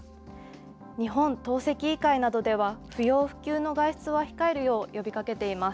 日本透析医会などでは、不要不急の外出は控えるよう呼びかけています。